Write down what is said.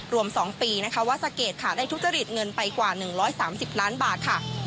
รวมสองปีวัสเกตได้ทุกจริตเงินไปกว่า๑๓๐ล้านบาท